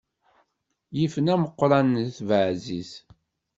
Yifen ameqqran n at Baɛziz.